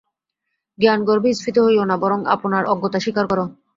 জ্ঞানগর্বে স্ফীত হইও না, বরং আপনার অজ্ঞতা স্বীকার কর।